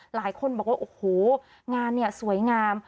หลายคนบอกว่าโอ้โหงานเนี่ยสวยงาม